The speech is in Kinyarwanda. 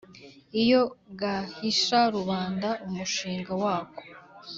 iyo gahisha rubanda umushinga wako